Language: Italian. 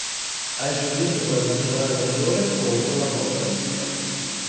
Ha esordito con la nazionale maggiore contro la Costa Rica.